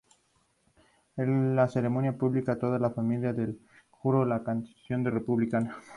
En ceremonia pública, toda la familia real juró la Constitución republicana.